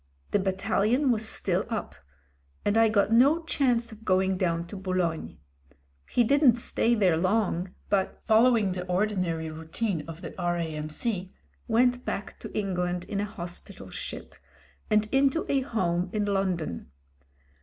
The battalion was still up, and I got no chance of going down to Boulogne. He didn't stay there long, but, fol lowing the ordinary routine of the R.A.M.C, went back to England in a hospital ship, and into a home in London.